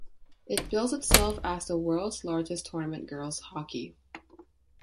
It bills itself as The World's Largest Tournament Girls Hockey.